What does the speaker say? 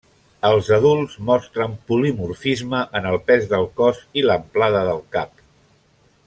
Els adults mostren polimorfisme en el pes del cos i l'amplada del cap.